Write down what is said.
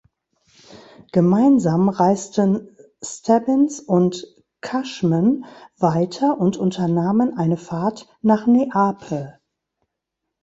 Gemeinsam reisten Stebbins und Cushman weiter und unternahmen eine Fahrt nach Neapel.